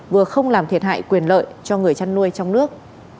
vừa không làm thiệt hại quyền lợi cho người chăn nuôi trong nước